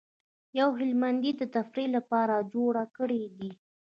یو هلمندي د تفریح لپاره جوړ کړی دی.